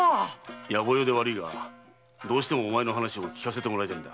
野暮用で悪いがどうしてもお前の話を聞かせてもらいたい。